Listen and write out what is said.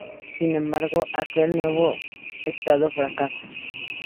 Sin embargo, aquel nuevo estado fracasa.